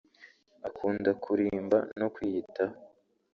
Akunda kurimba no kwiyitaho